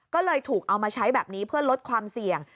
ก็เลยถูกเอามาใช้แบบนี้เพื่อลดความเสี่ยง